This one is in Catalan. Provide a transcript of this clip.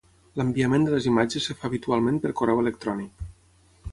L'enviament de les imatges es fa habitualment per correu electrònic.